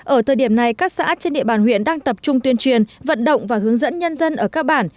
ở thời điểm này các xã trên địa bàn huyện đang tập trung tuyên truyền vận động và hướng dẫn nhân dân ở các bản